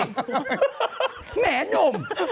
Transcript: ด่วรหนุ่ม